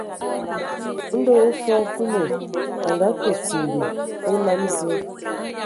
Ndɔ hm fɔɔ Kulu a ngakǝ timbi a olam Zǝǝ,